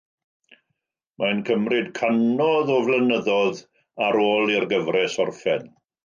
Mae'n cymryd cannoedd o flynyddoedd ar ôl i'r gyfres orffen